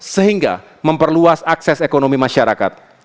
sehingga memperluas akses ekonomi masyarakat